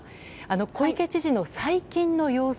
小池知事の最近の様子